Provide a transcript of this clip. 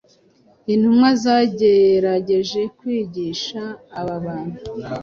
Intumwa zagerageje kwigisha aba bantu